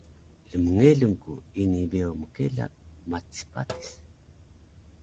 Lmngelung ku ini beyo mkela matis patis